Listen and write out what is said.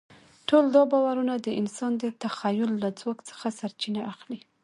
ټول دا باورونه د انسان د تخیل له ځواک څخه سرچینه اخلي.